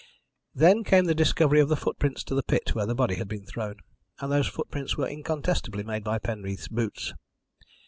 "Then came the discovery of the footprints to the pit where the body had been thrown, and those footprints were incontestably made by Penreath's boots.